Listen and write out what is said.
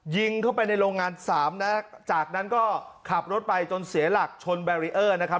ยิงเข้าไปในโรงงานสามนะจากนั้นก็ขับรถไปจนเสียหลักชนแบรีเออร์นะครับ